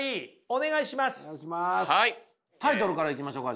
タイトルからいきましょうか？